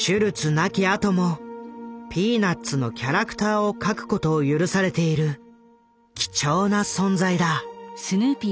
亡きあとも「ピーナッツ」のキャラクターを描くことを許されている貴重な存在だ。